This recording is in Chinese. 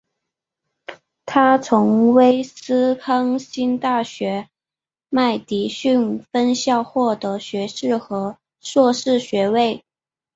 他从威斯康辛大学麦迪逊分校获得学士与硕士学位。